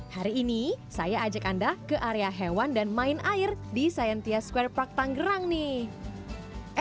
hari ini saya ajak anda ke area hewan dan main air di scientia square park tanggerang nih